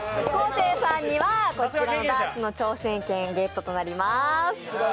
昴生さんには、こちらのダーツの挑戦権、ゲットとなります。